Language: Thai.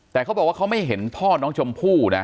แต่เขาบอกว่าเขาไม่เห็นพ่อน้องชมพู่นะ